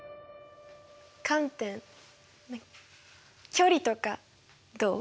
観点距離とかどう？